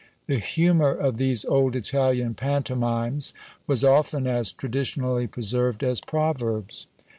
The humour of these old Italian pantomimes was often as traditionally preserved as proverbs.